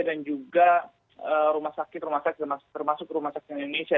dan juga rumah sakit rumah sakit termasuk rumah sakit indonesia